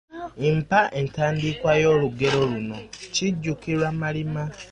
Mpa entandikwa y’olugero luno:...…, kijjukirwa malima.